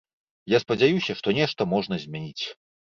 Я спадзяюся, што нешта можна змяніць.